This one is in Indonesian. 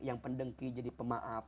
yang pendengki jadi pemaaf